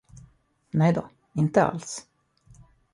Nej då, inte alls.